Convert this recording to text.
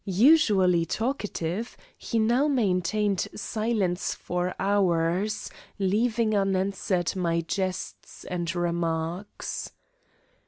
Usually talkative, he now maintained silence for hours, leaving unanswered my jests and remarks.